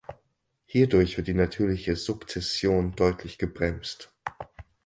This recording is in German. Hierdurch wird die natürliche Sukzession deutlich gebremst.